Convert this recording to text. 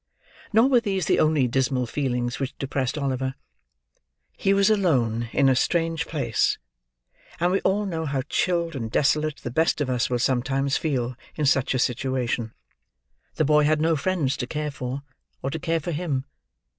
Nor were these the only dismal feelings which depressed Oliver. He was alone in a strange place; and we all know how chilled and desolate the best of us will sometimes feel in such a situation. The boy had no friends to care for, or to care for him.